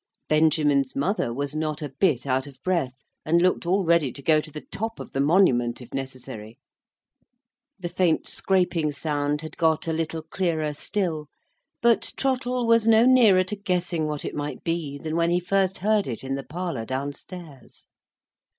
Benjamin's mother was not a bit out of breath, and looked all ready to go to the top of the monument if necessary. The faint scraping sound had got a little clearer still; but Trottle was no nearer to guessing what it might be, than when he first heard it in the parlour downstairs.